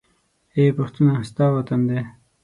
اې پښتونه! ستا وطن دى